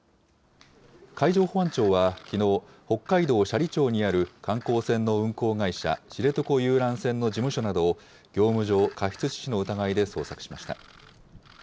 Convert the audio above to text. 海上保安庁はきのう、北海道斜里町にある観光船の運航会社、知床遊覧船の事務所などを、業務上過失致死の疑いで捜索しました。